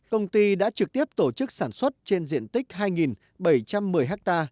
công ty đã trực tiếp tổ chức sản xuất trên diện tích hai bảy trăm một mươi ha